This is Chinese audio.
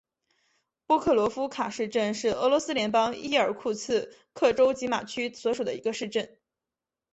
波克罗夫卡市镇是俄罗斯联邦伊尔库茨克州济马区所属的一个市镇。